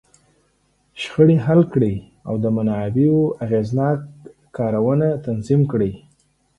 شخړې حل کړي، او د منابعو اغېزناک کارونه تنظیم کړي.